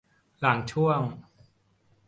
หลังช่วง